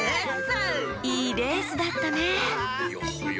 いいレースだったねいやはや。